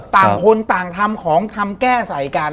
ต่างคนต่างธรรมของธรรมแก้ใสกัน